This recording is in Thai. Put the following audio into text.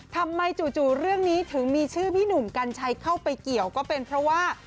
จู่เรื่องนี้ถึงมีชื่อพี่หนุ่มกัญชัยเข้าไปเกี่ยวก็เป็นเพราะว่า